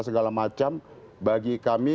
segala macam bagi kami